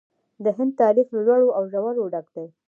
د هند تاریخ له لوړو او ژورو ډک دی.